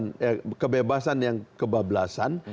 dia boleh mengatakan kebebasan yang kebablasan